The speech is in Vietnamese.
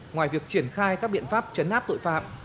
ngoài việc triển khai các biện pháp chấn áp tội phạm